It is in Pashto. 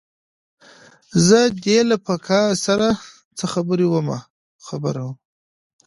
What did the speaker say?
زه دې له پکه سره څه خبره ومه